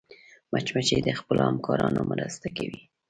مچمچۍ د خپلو همکارانو مرسته کوي